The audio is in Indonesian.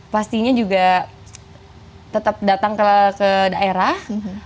pastinya juga tetap datang ke daerah